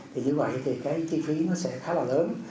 thì như vậy thì cái chi phí nó sẽ khá là lớn